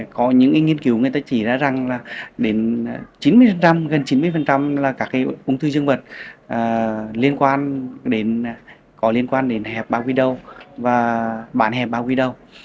có những nghiên cứu chỉ ra rằng gần chín mươi là các ung thư dân vật có liên quan đến hẹp bao quy đầu và bản hẹp bao quy đầu